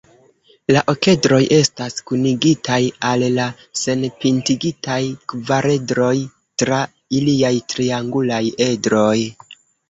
La okedroj estas kunigitaj al la senpintigitaj kvaredroj tra iliaj triangulaj edroj.